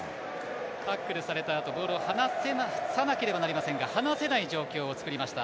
タックルされたあとボールを放さなければなりませんが放せない状況を作りました。